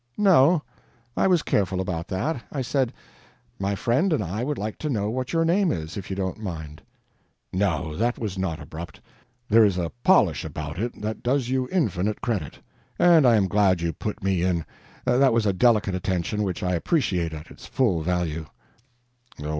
"No, I was careful about that. I said, 'My friend and I would like to know what your name is, if you don't mind.'" "No, that was not abrupt. There is a polish about it that does you infinite credit. And I am glad you put me in; that was a delicate attention which I appreciate at its full value.